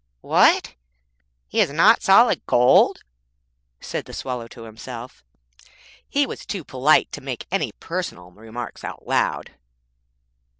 'What, is he not solid gold?' said the Swallow to himself. He was too polite to make any personal remarks out loud.